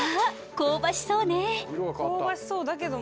香ばしそうだけども。